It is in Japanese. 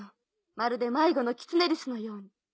まるで迷子のキツネリスのように。